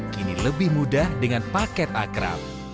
kini lebih mudah dengan paket akrab